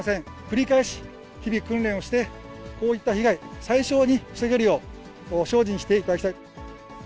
繰り返し日々訓練をして、こういった被害、最小に防げるよう、精進していただきたい。